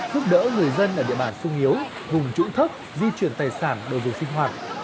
giúp đỡ người dân ở địa bàn sung yếu vùng trũng thấp di chuyển tài sản đồ dùng sinh hoạt